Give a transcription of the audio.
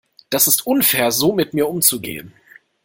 Das ist unfair so mit mir umzugehen.